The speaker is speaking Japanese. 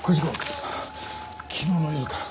昨日の夜か。